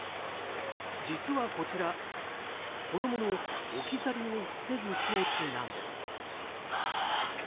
実はこちら、子供の置き去りを防ぐ装置なんです。